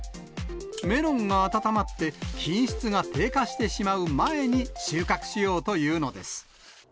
メロンが温まって、品質が低下してしまう前に収穫しようというのです。